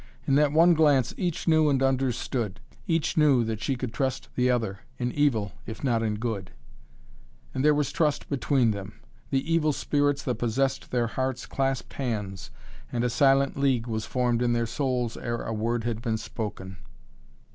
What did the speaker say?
In that one glance each knew and understood; each knew that she could trust the other, in evil, if not in good. And there was trust between them. The evil spirits that possessed their hearts clasped hands, and a silent league was formed in their souls ere a word had been spoken.